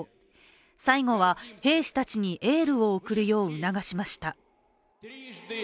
最後は兵士たちにエールを送るよう促しました。